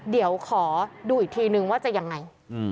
เดี๋ยวขอดูอีกทีนึงว่าจะยังไง